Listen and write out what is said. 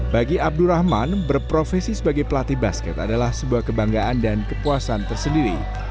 bagi abdurrahman berprofesi sebagai pelatih basket adalah sebuah kebanggaan dan kepuasan tersendiri